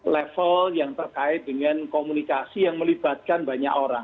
level yang terkait dengan komunikasi yang melibatkan banyak orang